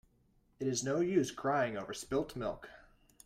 It is no use crying over spilt milk.